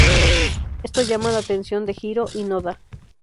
Esto llama la atención de Hiro y Noda.